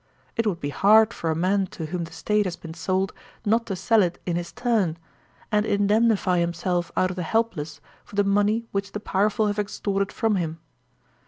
It would be hard for a man to whom the State has been sold not to sell it in his turn, uid indemnify himself out of the helpless for the money which the powerful have extorted from him.